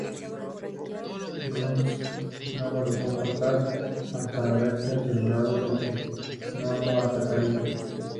Güemes no los dejó pasar hasta haberse asegurado de que no lo atacarían.